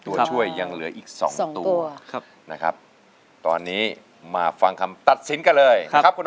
ตัวช่วยยังเหลืออีก๒ตัวตอนนี้มาฟังคำตัดสินกันเลย